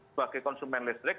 sebagai konsumen listrik